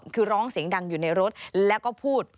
คือร้องเสียงดังอยู่ในรถแล้วก็พูด